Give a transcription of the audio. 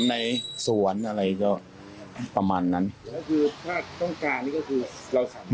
ถ้าต้องการนั่นก็คือ